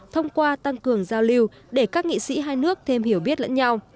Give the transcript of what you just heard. thông qua tăng cường giao lưu để các nghị sĩ hai nước thêm hiểu biết lẫn nhau